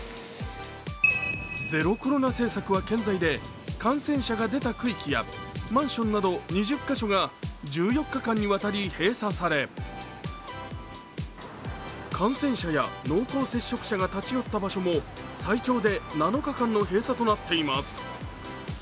ゼロコロナ政策は健在で感染者が出た区域はマンションなど２０カ所が１４日間にわたり閉鎖され感染者や濃厚接触者が立ち寄った場所も最長で７日間の閉鎖となっています